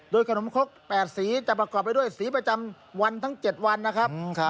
ขนมครก๘สีจะประกอบไปด้วยสีประจำวันทั้ง๗วันนะครับ